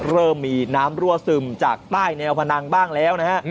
เริ่มมีน้ำรั่วซึมจากใต้แนวพนังบ้างแล้วนะฮะ